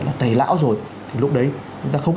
là tẩy lão rồi thì lúc đấy chúng ta không